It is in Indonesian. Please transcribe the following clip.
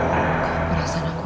ada yang pesankan